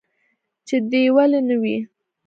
چې دى ولي نه وي.